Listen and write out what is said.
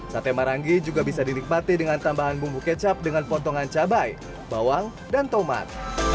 sate marangi juga bisa dinikmati dengan tambahan bumbu kecap dengan potongan cabai bawang dan tomat